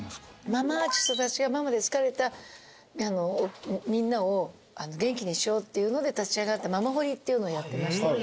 ママ・アーティストたちがママで疲れたみんなを元気にしようっていうので立ち上がったママホリっていうのをやってまして。